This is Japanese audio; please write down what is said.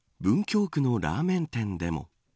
文京区のラーメン店でも。